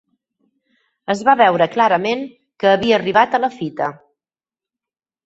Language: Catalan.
Es va veure clarament que havia arribat a la fita.